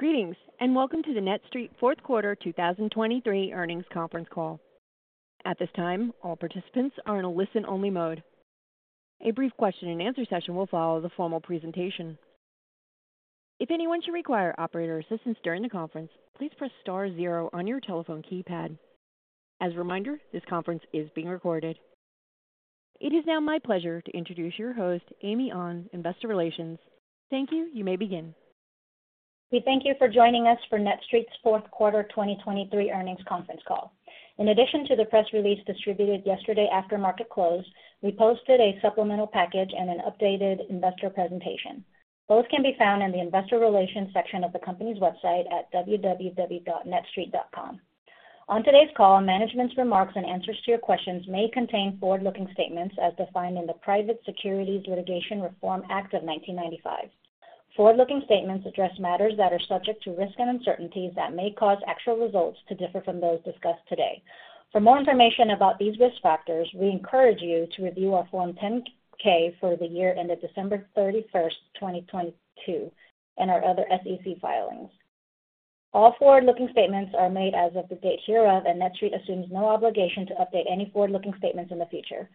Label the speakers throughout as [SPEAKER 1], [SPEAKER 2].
[SPEAKER 1] Greetings and welcome to the NETSTREIT 4th Quarter 2023 Earnings Conference Call. At this time, all participants are in a listen-only mode. A brief question-and-answer session will follow the formal presentation. If anyone should require operator assistance during the conference, please press star zero on your telephone keypad. As a reminder, this conference is being recorded. It is now my pleasure to introduce your host, Amy An, Investor Relations. Thank you. You may begin.
[SPEAKER 2] We thank you for joining us for NETSTREIT's 4th Quarter 2023 Earnings Conference Call. In addition to the press release distributed yesterday after market close, we posted a supplemental package and an updated investor presentation. Both can be found in the Investor Relations section of the company's website at www.netstreit.com. On today's call, management's remarks and answers to your questions may contain forward-looking statements as defined in the Private Securities Litigation Reform Act of 1995. Forward-looking statements address matters that are subject to risk and uncertainties that may cause actual results to differ from those discussed today. For more information about these risk factors, we encourage you to review our Form 10-K for the year ended December 31st, 2022, and our other SEC filings. All forward-looking statements are made as of the date hereof, and NETSTREIT assumes no obligation to update any forward-looking statements in the future.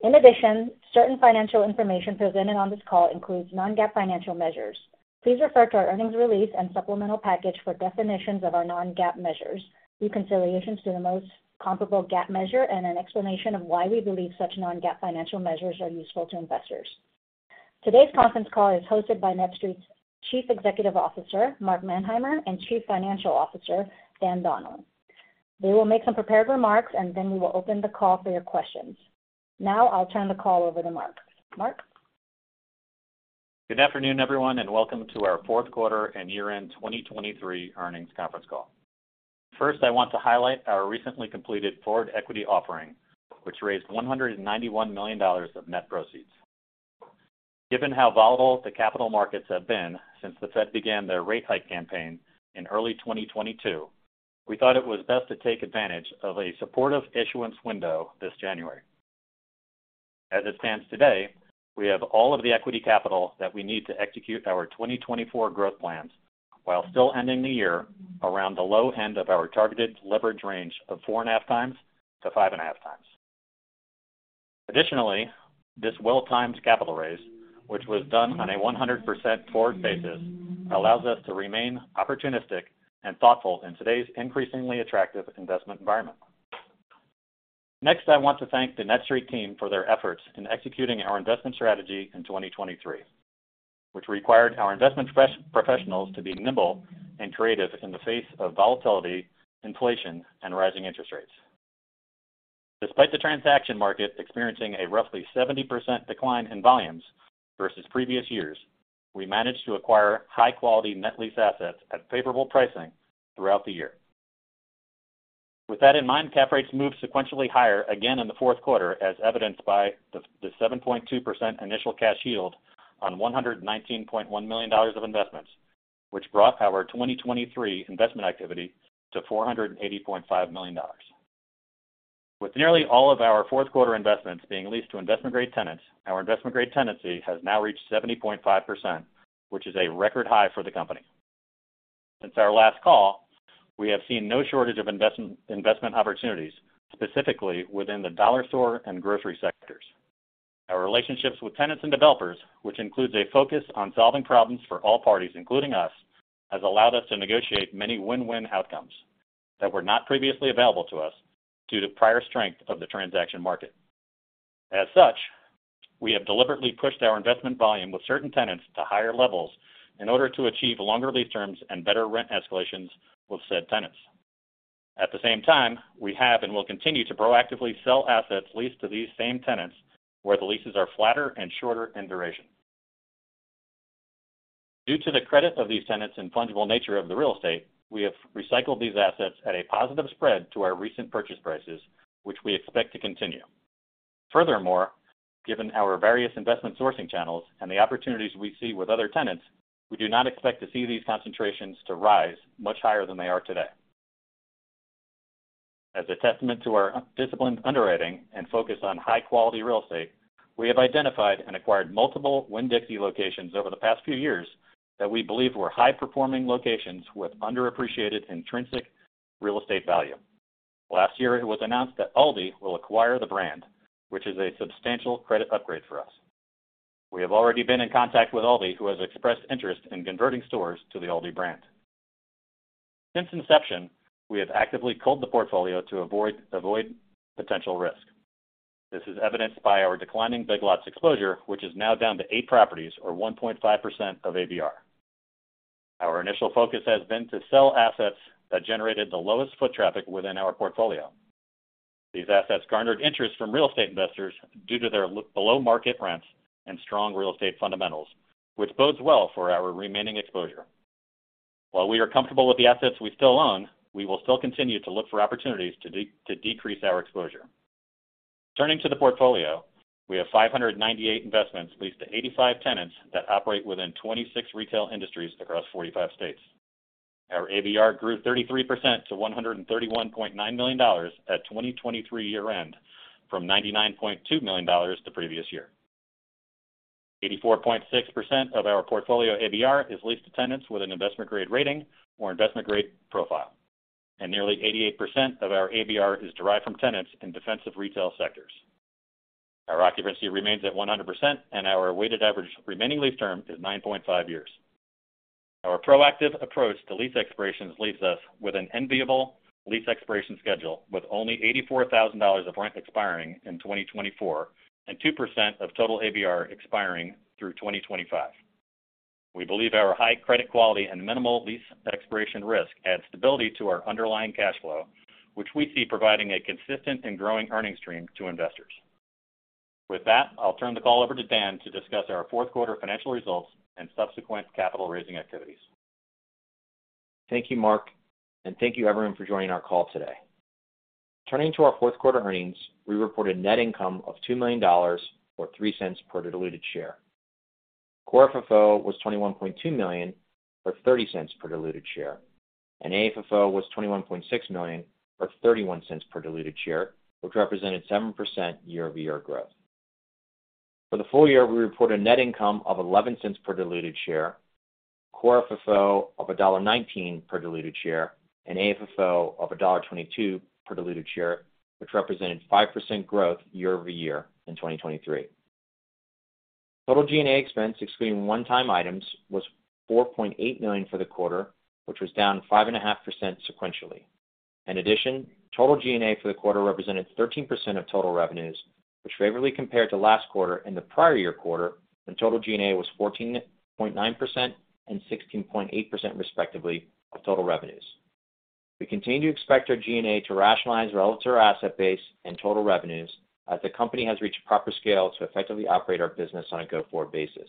[SPEAKER 2] In addition, certain financial information presented on this call includes non-GAAP financial measures. Please refer to our earnings release and supplemental package for definitions of our non-GAAP measures, reconciliations to the most comparable GAAP measure, and an explanation of why we believe such non-GAAP financial measures are useful to investors. Today's conference call is hosted by NETSTREIT's Chief Executive Officer, Mark Manheimer, and Chief Financial Officer, Dan Donlan. They will make some prepared remarks, and then we will open the call for your questions. Now I'll turn the call over to Mark. Mark?
[SPEAKER 3] Good afternoon, everyone, and welcome to our 4th Quarter and year-end 2023 Earnings Conference Call. First, I want to highlight our recently completed forward equity offering, which raised $191 million of net proceeds. Given how volatile the capital markets have been since the Fed began their rate-hike campaign in early 2022, we thought it was best to take advantage of a supportive issuance window this January. As it stands today, we have all of the equity capital that we need to execute our 2024 growth plans while still ending the year around the low end of our targeted leverage range of 4.5x-5.5x. Additionally, this well-timed capital raise, which was done on a 100% forward basis, allows us to remain opportunistic and thoughtful in today's increasingly attractive investment environment. Next, I want to thank the NETSTREIT team for their efforts in executing our investment strategy in 2023, which required our investment professionals to be nimble and creative in the face of volatility, inflation, and rising interest rates. Despite the transaction market experiencing a roughly 70% decline in volumes versus previous years, we managed to acquire high-quality net lease assets at favorable pricing throughout the year. With that in mind, cap rates moved sequentially higher again in the 4th Quarter, as evidenced by the 7.2% initial cash yield on $119.1 million of investments, which brought our 2023 investment activity to $480.5 million. With nearly all of our 4th Quarter investments being leased to investment-grade tenants, our investment-grade tenancy has now reached 70.5%, which is a record high for the company. Since our last call, we have seen no shortage of investment opportunities, specifically within the dollar store and grocery sectors. Our relationships with tenants and developers, which includes a focus on solving problems for all parties, including us, has allowed us to negotiate many win-win outcomes that were not previously available to us due to prior strength of the transaction market. As such, we have deliberately pushed our investment volume with certain tenants to higher levels in order to achieve longer lease terms and better rent escalations with said tenants. At the same time, we have and will continue to proactively sell assets leased to these same tenants where the leases are flatter and shorter in duration. Due to the credit of these tenants and fungible nature of the real estate, we have recycled these assets at a positive spread to our recent purchase prices, which we expect to continue. Furthermore, given our various investment sourcing channels and the opportunities we see with other tenants, we do not expect to see these concentrations to rise much higher than they are today. As a testament to our disciplined underwriting and focus on high-quality real estate, we have identified and acquired multiple Winn-Dixie locations over the past few years that we believe were high-performing locations with underappreciated intrinsic real estate value. Last year, it was announced that ALDI will acquire the brand, which is a substantial credit upgrade for us. We have already been in contact with ALDI, who has expressed interest in converting stores to the ALDI brand. Since inception, we have actively culled the portfolio to avoid potential risk. This is evidenced by our declining Big Lots exposure, which is now down to eight properties or 1.5% of ABR. Our initial focus has been to sell assets that generated the lowest foot traffic within our portfolio. These assets garnered interest from real estate investors due to their below-market rents and strong real estate fundamentals, which bodes well for our remaining exposure. While we are comfortable with the assets we still own, we will still continue to look for opportunities to decrease our exposure. Turning to the portfolio, we have 598 investments leased to 85 tenants that operate within 26 retail industries across 45 states. Our ABR grew 33% to $131.9 million at 2023 year-end, from $99.2 million the previous year. 84.6% of our portfolio ABR is leased to tenants with an investment-grade rating or investment-grade profile, and nearly 88% of our ABR is derived from tenants in defensive retail sectors. Our occupancy remains at 100%, and our weighted average remaining lease term is 9.5 years. Our proactive approach to lease expirations leaves us with an enviable lease expiration schedule with only $84,000 of rent expiring in 2024 and 2% of total ABR expiring through 2025. We believe our high credit quality and minimal lease expiration risk add stability to our underlying cash flow, which we see providing a consistent and growing earnings stream to investors. With that, I'll turn the call over to Dan to discuss our 4th Quarter financial results and subsequent capital-raising activities.
[SPEAKER 4] Thank you, Mark, and thank you, everyone, for joining our call today. Turning to our fourth quarter earnings, we reported net income of $2 million or $0.03 per diluted share. Core FFO was $21.2 million or $0.30 per diluted share, and AFFO was $21.6 million or $0.31 per diluted share, which represented 7% year-over-year growth. For the full year, we reported net income of $0.11 per diluted share, core FFO of $1.19 per diluted share, and AFFO of $1.22 per diluted share, which represented 5% growth year-over-year in 2023. Total G&A expense, excluding one-time items, was $4.8 million for the quarter, which was down 5.5% sequentially. In addition, total G&A for the quarter represented 13% of total revenues, which favorably compared to last quarter and the prior year quarter when total G&A was 14.9% and 16.8% respectively of total revenues. We continue to expect our G&A to rationalize relative to our asset base and total revenues as the company has reached proper scale to effectively operate our business on a go-forward basis.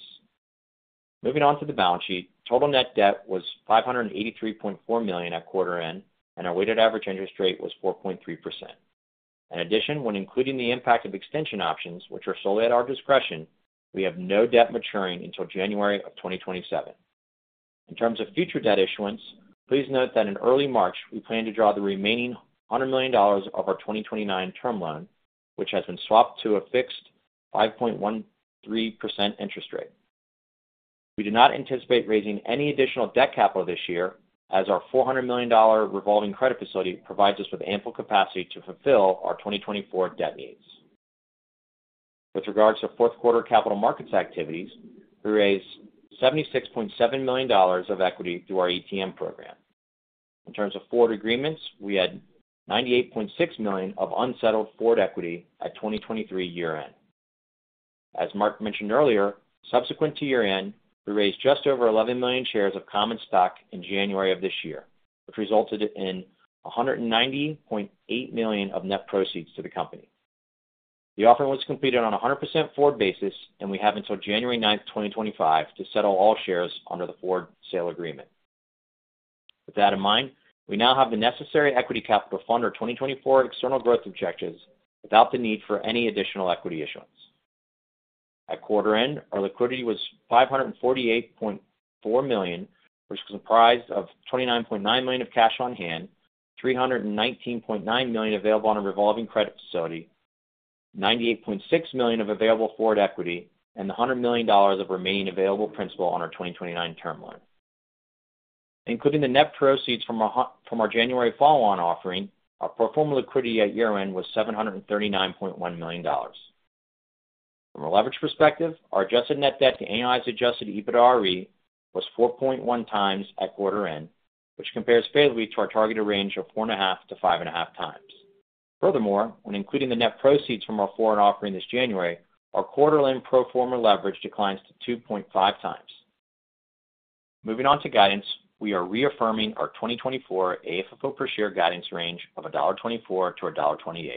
[SPEAKER 4] Moving on to the balance sheet, total net debt was $583.4 million at quarter-end, and our weighted average interest rate was 4.3%. In addition, when including the impact of extension options, which are solely at our discretion, we have no debt maturing until January of 2027. In terms of future debt issuance, please note that in early March, we plan to draw the remaining $100 million of our 2029 term loan, which has been swapped to a fixed 5.13% interest rate. We do not anticipate raising any additional debt capital this year, as our $400 million revolving credit facility provides us with ample capacity to fulfill our 2024 debt needs. With regards to fourth quarter capital markets activities, we raised $76.7 million of equity through our ATM program. In terms of forward agreements, we had $98.6 million of unsettled forward equity at 2023 year-end. As Mark mentioned earlier, subsequent to year-end, we raised just over 11 million shares of common stock in January of this year, which resulted in $190.8 million of net proceeds to the company. The offering was completed on a 100% forward basis, and we have until January 9th, 2025, to settle all shares under the forward sale agreement. With that in mind, we now have the necessary equity capital for our 2024 external growth objectives without the need for any additional equity issuance. At quarter-end, our liquidity was $548.4 million, which comprised of $29.9 million of cash on hand, $319.9 million available on a revolving credit facility, $98.6 million of available forward equity, and the $100 million of remaining available principal on our 2029 term loan. Including the net proceeds from our January follow-on offering, our pro forma liquidity at year-end was $739.1 million. From a leverage perspective, our adjusted net debt to annualized adjusted EBITDA-RE was 4.1 times at quarter-end, which compares favorably to our targeted range of 4.5-5.5 times. Furthermore, when including the net proceeds from our forward offering this January, our quarter-end pro forma leverage declines to 2.5 times. Moving on to guidance, we are reaffirming our 2024 AFFO per share guidance range of $1.24-$1.28,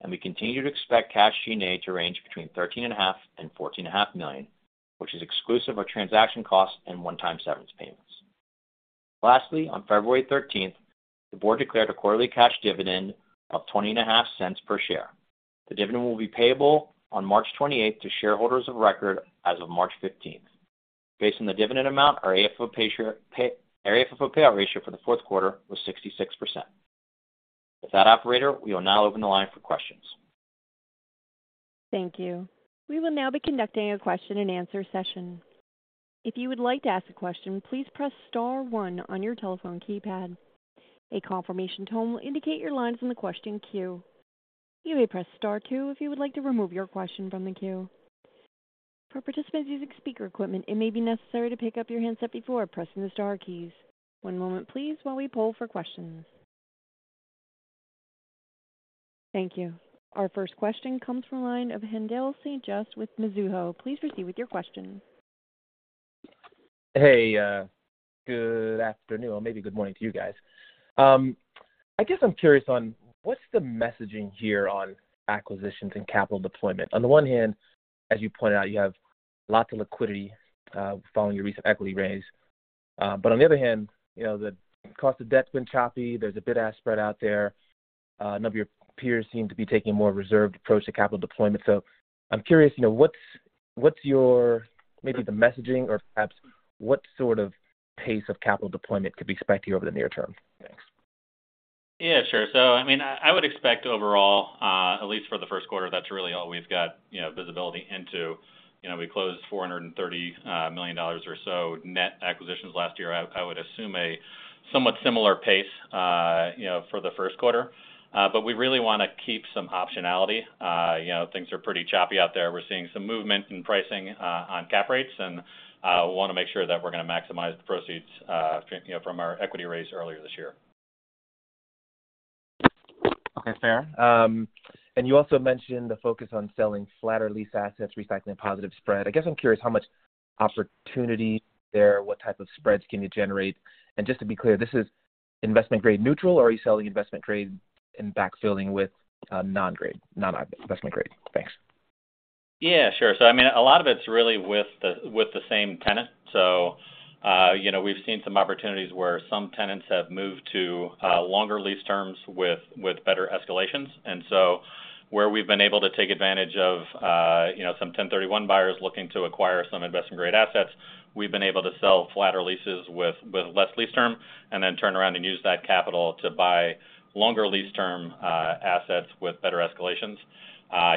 [SPEAKER 4] and we continue to expect cash G&A to range between $13.5 and $14.5 million, which is exclusive of transaction costs and one-time severance payments. Lastly, on February 13th, the board declared a quarterly cash dividend of $0.20 per share. The dividend will be payable on March 28th to shareholders of record as of March 15th. Based on the dividend amount, our AFFO payout ratio for the 4th Quarter was 66%. With that, operator, we will now open the line for questions.
[SPEAKER 1] Thank you. We will now be conducting a question-and-answer session. If you would like to ask a question, please press star 1 on your telephone keypad. A confirmation tone will indicate your line's in the question queue. You may press star 2 if you would like to remove your question from the queue. For participants using speaker equipment, it may be necessary to pick up your handset before pressing the star keys. One moment, please, while we pull for questions. Thank you. Our first question comes from a line of Haendel St. Juste with Mizuho. Please proceed with your question.
[SPEAKER 5] Hey, good afternoon. Well, maybe good morning to you guys. I guess I'm curious on what's the messaging here on acquisitions and capital deployment. On the one hand, as you pointed out, you have lots of liquidity following your recent equity raise. But on the other hand, the cost of debt's been choppy. There's a bid-ask spread out there. None of your peers seem to be taking a more reserved approach to capital deployment. So I'm curious, what's your maybe the messaging or perhaps what sort of pace of capital deployment could be expected here over the near term? Thanks.
[SPEAKER 3] Yeah, sure. So I mean, I would expect overall, at least for the first quarter, that's really all we've got visibility into. We closed $430 million or so net acquisitions last year. I would assume a somewhat similar pace for the first quarter. But we really want to keep some optionality. Things are pretty choppy out there. We're seeing some movement in pricing on cap rates, and we want to make sure that we're going to maximize the proceeds from our equity raise earlier this year.
[SPEAKER 5] Okay, fair. And you also mentioned the focus on selling flatter lease assets, recycling a positive spread. I guess I'm curious how much opportunity is there, what type of spreads can you generate? And just to be clear, this is investment-grade neutral, or are you selling investment-grade and backfilling with non-grade, non-investment-grade? Thanks.
[SPEAKER 3] Yeah, sure. So I mean, a lot of it's really with the same tenant. So we've seen some opportunities where some tenants have moved to longer lease terms with better escalations. And so where we've been able to take advantage of some 1031 buyers looking to acquire some investment-grade assets, we've been able to sell flatter leases with less lease term and then turn around and use that capital to buy longer lease term assets with better escalations.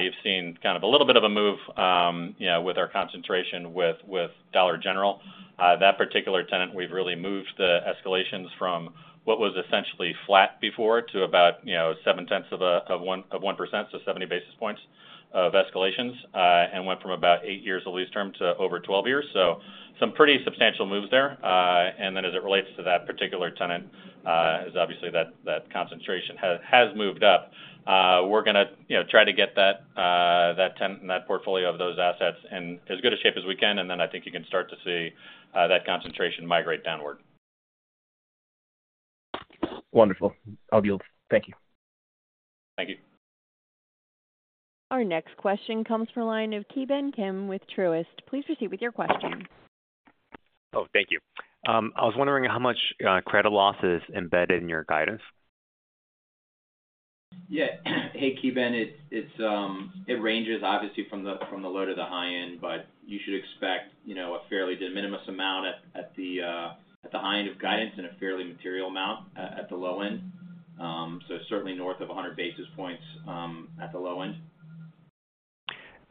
[SPEAKER 3] You've seen kind of a little bit of a move with our concentration with Dollar General. That particular tenant, we've really moved the escalations from what was essentially flat before to about 0.7%, so 70 basis points of escalations, and went from about 8 years of lease term to over 12 years. So some pretty substantial moves there. And then as it relates to that particular tenant, obviously, that concentration has moved up. We're going to try to get that tenant and that portfolio of those assets in as good a shape as we can, and then I think you can start to see that concentration migrate downward.
[SPEAKER 5] Wonderful. I'll be over. Thank you.
[SPEAKER 3] Thank you.
[SPEAKER 1] Our next question comes from a line of Ki Bin Kim with Truist. Please proceed with your question.
[SPEAKER 6] Oh, thank you. I was wondering how much credit loss is embedded in your guidance?
[SPEAKER 3] Yeah. Hey, Ki Bin. It ranges, obviously, from the low to the high end, but you should expect a fairly de minimis amount at the high end of guidance and a fairly material amount at the low end. So certainly north of 100 basis points at the low end.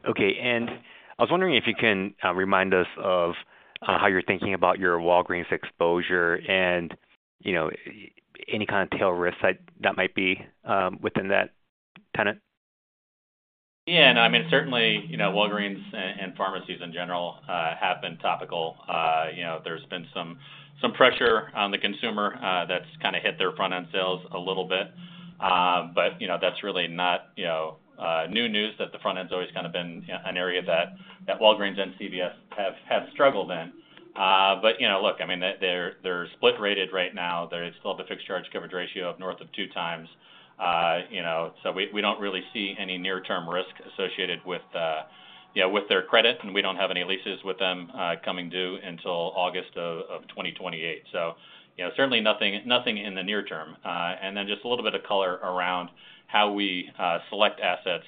[SPEAKER 6] Okay. I was wondering if you can remind us of how you're thinking about your Walgreens exposure and any kind of tail risk that might be within that tenant?
[SPEAKER 3] Yeah. And I mean, certainly, Walgreens and pharmacies in general have been topical. There's been some pressure on the consumer that's kind of hit their front-end sales a little bit. But that's really not new news that the front-end's always kind of been an area that Walgreens and CVS have struggled in. But look, I mean, they're split-rated right now. They still have a fixed charge coverage ratio of north of 2x. So we don't really see any near-term risk associated with their credit, and we don't have any leases with them coming due until August of 2028. So certainly nothing in the near term. And then just a little bit of color around how we select assets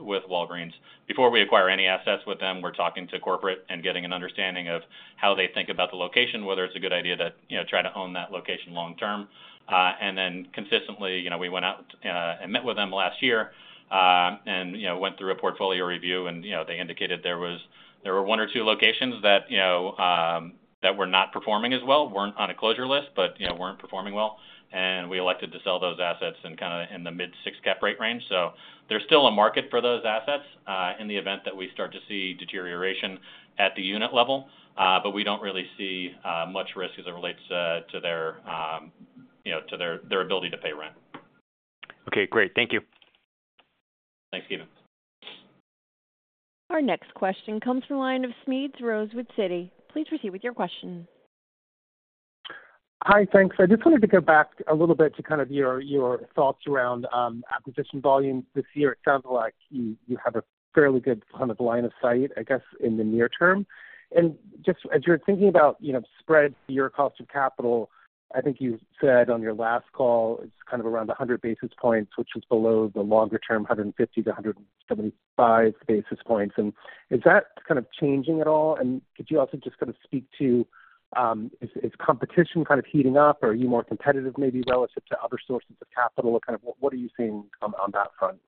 [SPEAKER 3] with Walgreens. Before we acquire any assets with them, we're talking to corporate and getting an understanding of how they think about the location, whether it's a good idea to try to own that location long term. And then consistently, we went out and met with them last year and went through a portfolio review, and they indicated there were 1 or 2 locations that were not performing as well, weren't on a closure list, but weren't performing well. And we elected to sell those assets in kind of the mid-6 cap rate range. So there's still a market for those assets in the event that we start to see deterioration at the unit level, but we don't really see much risk as it relates to their ability to pay rent.
[SPEAKER 6] Okay, great. Thank you.
[SPEAKER 3] Thanks, Ki Bin.
[SPEAKER 1] Our next question comes from a line of Smedes Rose, Citi. Please proceed with your question.
[SPEAKER 7] Hi, thanks. I just wanted to go back a little bit to kind of your thoughts around acquisition volumes this year. It sounds like you have a fairly good kind of line of sight, I guess, in the near term. And just as you're thinking about spread to your cost of capital, I think you said on your last call it's kind of around 100 basis points, which is below the longer-term 150-175 basis points. And is that kind of changing at all? And could you also just kind of speak to is competition kind of heating up, or are you more competitive maybe relative to other sources of capital? Kind of what are you seeing on that front?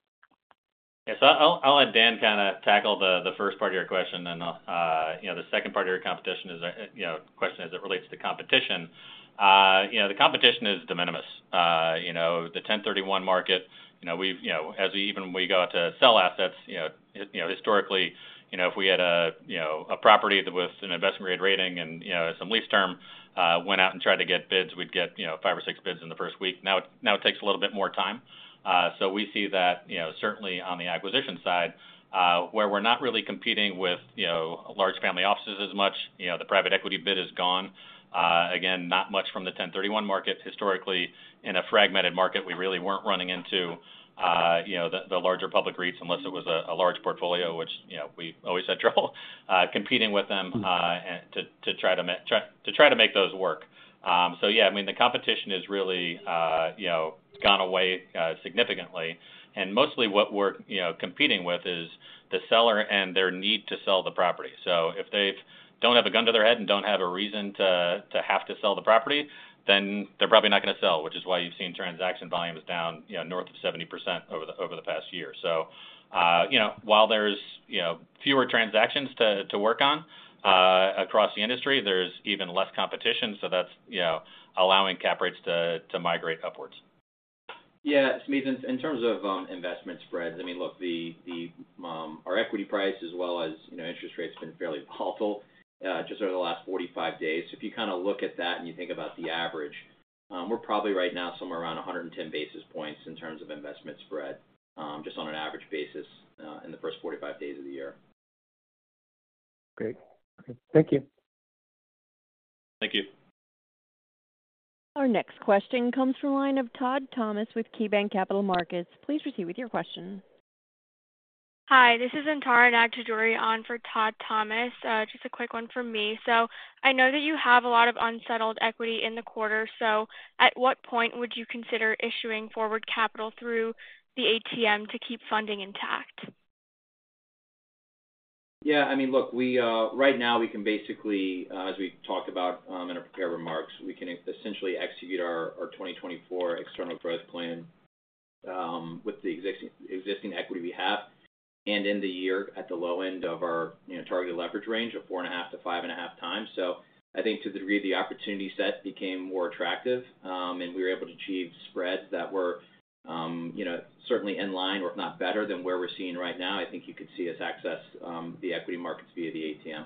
[SPEAKER 3] Yes. I'll let Dan kind of tackle the first part of your question. And the second part of your competition is a question as it relates to competition. The competition is de minimis. The 1031 market, even when we go out to sell assets, historically, if we had a property with an investment-grade rating and some lease term, went out and tried to get bids, we'd get five or six bids in the first week. Now it takes a little bit more time. So we see that certainly on the acquisition side, where we're not really competing with large family offices as much, the private equity bid is gone. Again, not much from the 1031 market. Historically, in a fragmented market, we really weren't running into the larger public REITs unless it was a large portfolio, which we always had trouble competing with them to try to make those work. Yeah, I mean, the competition has really gone away significantly. Mostly what we're competing with is the seller and their need to sell the property. If they don't have a gun to their head and don't have a reason to have to sell the property, then they're probably not going to sell, which is why you've seen transaction volumes down north of 70% over the past year. While there's fewer transactions to work on across the industry, there's even less competition. That's allowing cap rates to migrate upwards.
[SPEAKER 4] Yeah. Smedes, in terms of investment spreads, I mean, look, our equity price as well as interest rates have been fairly volatile just over the last 45 days. So if you kind of look at that and you think about the average, we're probably right now somewhere around 110 basis points in terms of investment spread just on an average basis in the first 45 days of the year.
[SPEAKER 7] Great. Thank you.
[SPEAKER 3] Thank you.
[SPEAKER 1] Our next question comes from a line of Todd Thomas with KeyBanc Capital Markets. Please proceed with your question.
[SPEAKER 8] Hi, this is Antara Nag-Chaudhuri on for Todd Thomas. Just a quick one from me. So I know that you have a lot of unsettled equity in the quarter. So at what point would you consider issuing forward equity through the ATM to keep funding intact?
[SPEAKER 3] Yeah. I mean, look, right now, we can basically, as we talked about in our prepared remarks, we can essentially execute our 2024 external growth plan with the existing equity we have and in the year at the low end of our targeted leverage range of 4.5-5.5 times. So I think to the degree the opportunity set became more attractive and we were able to achieve spreads that were certainly in line or if not better than where we're seeing right now, I think you could see us access the equity markets via the ATM.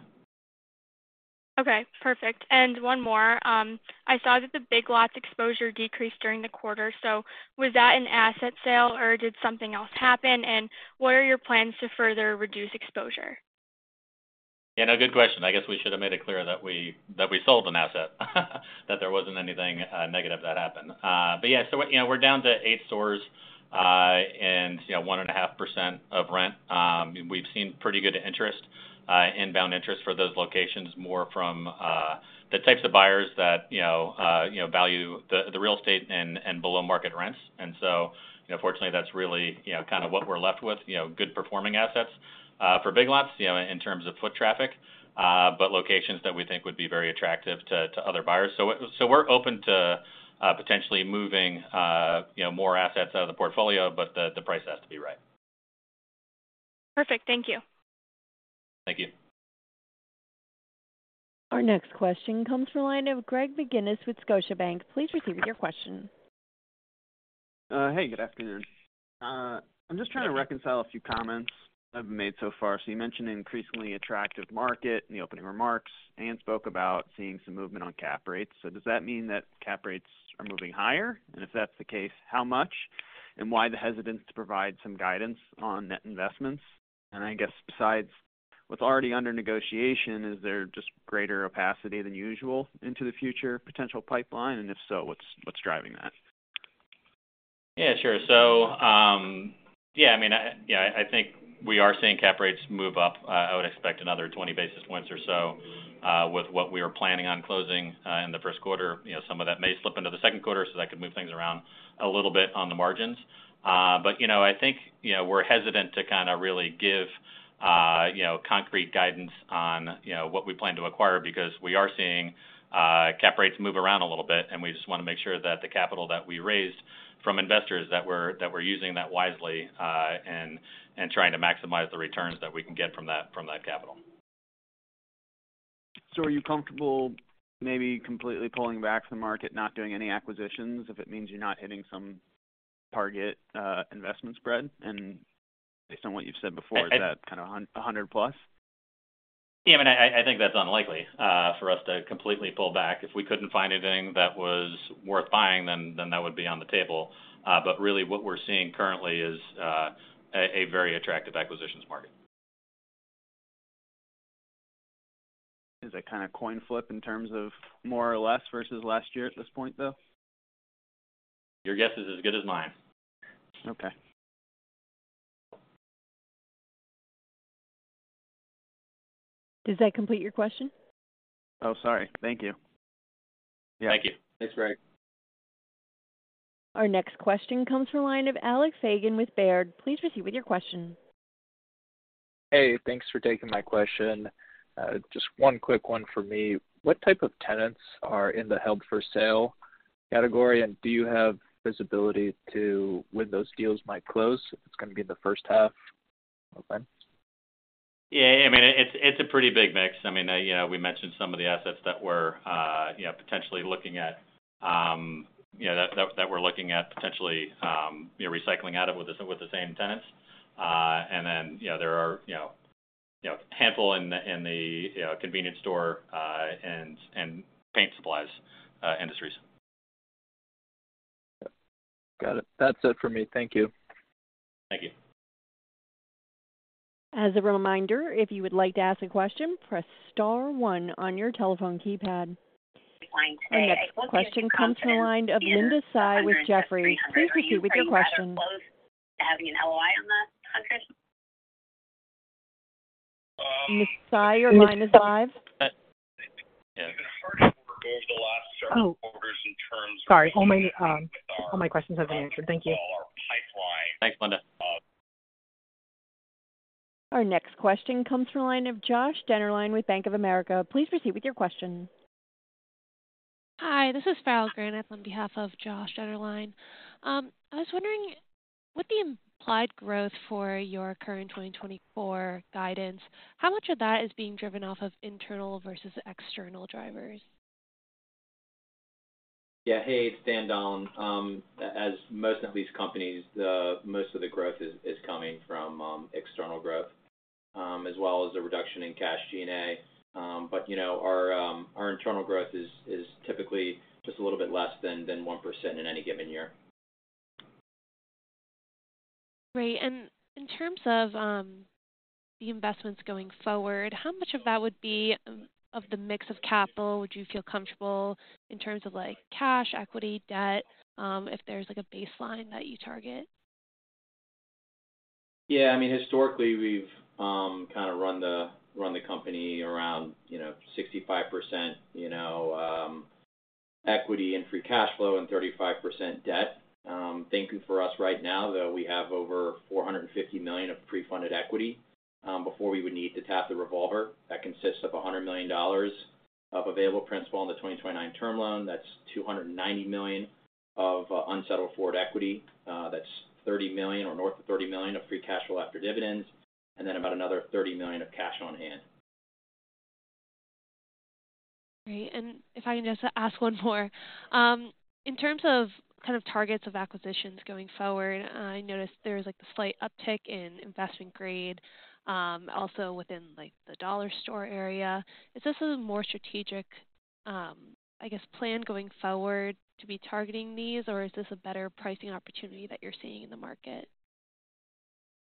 [SPEAKER 8] Okay, perfect. And one more. I saw that the Big Lots exposure decreased during the quarter. So was that an asset sale, or did something else happen? And what are your plans to further reduce exposure?
[SPEAKER 3] Yeah, no, good question. I guess we should have made it clear that we sold an asset, that there wasn't anything negative that happened. But yeah, so we're down to 8 stores and 1.5% of rent. We've seen pretty good interest, inbound interest for those locations, more from the types of buyers that value the real estate and below-market rents. And so fortunately, that's really kind of what we're left with, good-performing assets for Big Lots in terms of foot traffic, but locations that we think would be very attractive to other buyers. So we're open to potentially moving more assets out of the portfolio, but the price has to be right.
[SPEAKER 8] Perfect. Thank you.
[SPEAKER 3] Thank you.
[SPEAKER 1] Our next question comes from a line of Greg McGinniss with Scotiabank. Please proceed with your question.
[SPEAKER 9] Hey, good afternoon. I'm just trying to reconcile a few comments I've made so far. So you mentioned an increasingly attractive market in the opening remarks, and spoke about seeing some movement on cap rates. So does that mean that cap rates are moving higher? And if that's the case, how much and why the hesitance to provide some guidance on net investments? And I guess besides what's already under negotiation, is there just greater opacity than usual into the future potential pipeline? And if so, what's driving that?
[SPEAKER 3] Yeah, sure. So yeah, I mean, I think we are seeing cap rates move up. I would expect another 20 basis points or so with what we are planning on closing in the first quarter. Some of that may slip into the second quarter, so that could move things around a little bit on the margins. But I think we're hesitant to kind of really give concrete guidance on what we plan to acquire because we are seeing cap rates move around a little bit, and we just want to make sure that the capital that we raised from investors, that we're using that wisely and trying to maximize the returns that we can get from that capital.
[SPEAKER 9] Are you comfortable maybe completely pulling back from the market, not doing any acquisitions if it means you're not hitting some target investment spread? Based on what you've said before, is that kind of 100+?
[SPEAKER 3] Yeah. I mean, I think that's unlikely for us to completely pull back. If we couldn't find anything that was worth buying, then that would be on the table. But really, what we're seeing currently is a very attractive acquisitions market.
[SPEAKER 9] Is it kind of coin flip in terms of more or less versus last year at this point, though?
[SPEAKER 3] Your guess is as good as mine.
[SPEAKER 6] Okay.
[SPEAKER 1] Does that complete your question?
[SPEAKER 9] Oh, sorry. Thank you.
[SPEAKER 3] Thank you.
[SPEAKER 4] Thanks, Greg.
[SPEAKER 1] Our next question comes from a line of Alex Fagan with Baird. Please proceed with your question.
[SPEAKER 10] Hey, thanks for taking my question. Just one quick one for me. What type of tenants are in the held-for-sale category? And do you have visibility to when those deals might close? It's going to be in the first half, I'm afraid.
[SPEAKER 3] Yeah. I mean, it's a pretty big mix. I mean, we mentioned some of the assets that we're potentially looking at that we're looking at potentially recycling out of with the same tenants. And then there are a handful in the convenience store and paint supplies industries.
[SPEAKER 10] Got it. That's it for me. Thank you.
[SPEAKER 3] Thank you.
[SPEAKER 1] As a reminder, if you would like to ask a question, press star 1 on your telephone keypad. Our next question comes from a line of Linda Tsai with Jefferies. Please proceed with your question.
[SPEAKER 11] Having an LOI on the 100?
[SPEAKER 1] Ms. Tsai, your line is live.
[SPEAKER 3] That goes the last several quarters in terms of.
[SPEAKER 11] Sorry. All my questions have been answered. Thank you.
[SPEAKER 3] Thanks, Linda.
[SPEAKER 1] Our next question comes from a line of Josh Dennerlein with Bank of America. Please proceed with your question.
[SPEAKER 12] Hi, this is Farrell Granath on behalf of Josh Dennerlein. I was wondering, with the implied growth for your current 2024 guidance, how much of that is being driven off of internal versus external drivers?
[SPEAKER 4] Yeah. Hey, it's Dan Donlan. As most of these companies, most of the growth is coming from external growth as well as a reduction in cash G&A. But our internal growth is typically just a little bit less than 1% in any given year.
[SPEAKER 12] Great. In terms of the investments going forward, how much of that would be of the mix of capital would you feel comfortable in terms of cash, equity, debt, if there's a baseline that you target?
[SPEAKER 4] Yeah. I mean, historically, we've kind of run the company around 65% equity in free cash flow and 35% debt. Thankfully for us right now, though, we have over $450 million of pre-funded equity before we would need to tap the revolver. That consists of $100 million of available principal on the 2029 term loan. That's $290 million of unsettled forward equity. That's $30 million or north of $30 million of free cash flow after dividends, and then about another $30 million of cash on hand.
[SPEAKER 12] Great. If I can just ask one more. In terms of kind of targets of acquisitions going forward, I noticed there's a slight uptick in investment-grade also within the dollar store area. Is this a more strategic, I guess, plan going forward to be targeting these, or is this a better pricing opportunity that you're seeing in the market?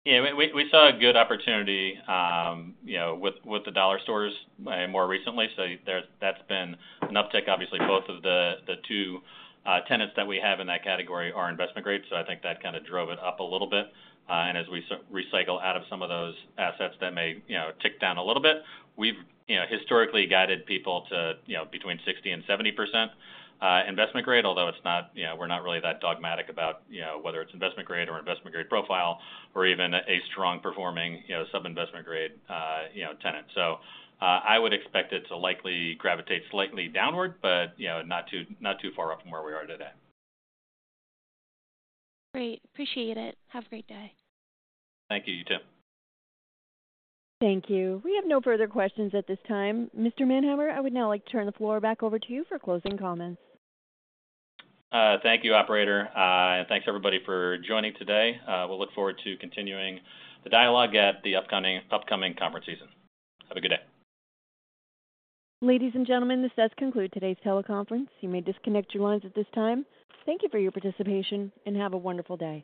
[SPEAKER 4] Yeah. We saw a good opportunity with the dollar stores more recently. So that's been an uptick. Obviously, both of the two tenants that we have in that category are investment grade, so I think that kind of drove it up a little bit. And as we recycle out of some of those assets that may tick down a little bit, we've historically guided people to between 60% and 70% investment grade, although we're not really that dogmatic about whether it's investment grade or investment grade profile or even a strong-performing sub-investment grade tenant. So I would expect it to likely gravitate slightly downward, but not too far up from where we are today.
[SPEAKER 12] Great. Appreciate it. Have a great day.
[SPEAKER 4] Thank you. You too.
[SPEAKER 1] Thank you. We have no further questions at this time. Mr. Manheimer, I would now like to turn the floor back over to you for closing comments.
[SPEAKER 3] Thank you, operator. Thanks, everybody, for joining today. We'll look forward to continuing the dialogue at the upcoming conference season. Have a good day.
[SPEAKER 1] Ladies and gentlemen, this does conclude today's teleconference. You may disconnect your lines at this time. Thank you for your participation, and have a wonderful day.